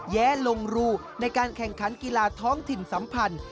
แย้ลงรูในการแข่งขันกีฬาท้องถิ่นสัมพันธ์